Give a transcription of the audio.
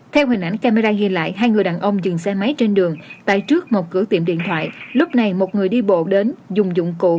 theo hình ảnh camera ghi lại hai người đàn ông dừng xe máy trên đường tại trước một cửa tiệm đi lột lúc này một người đi bộ đến dùng vùng